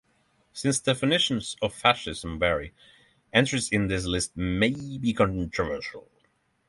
Since definitions of fascism vary, entries in this list may be controversial.